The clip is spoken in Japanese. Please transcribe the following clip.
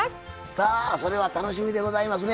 さあそれは楽しみでございますね。